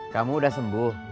kamu udah sembuh